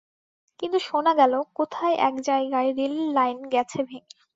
কিন্তু শোনা গেল, কোথায় এক জায়গায় রেলের লাইন গেছে ভেঙে।